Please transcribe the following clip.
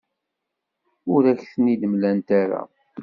Ur ak-ten-id-mlant ara.